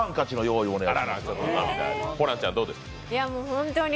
本当に。